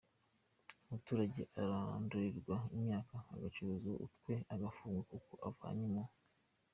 Umuturage ararandulirwa imyaka agacuzwa utwe agafungwa kuko avanye mu